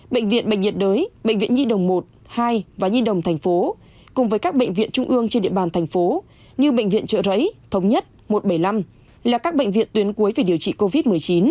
bệnh viện bệnh nhiệt đới bệnh viện nhi đồng một hai và nhi đồng tp cùng với các bệnh viện trung ương trên địa bàn thành phố như bệnh viện trợ rẫy thống nhất một trăm bảy mươi năm là các bệnh viện tuyến cuối về điều trị covid một mươi chín